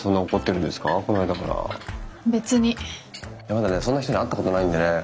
まだねそんな人に会ったことないんでね。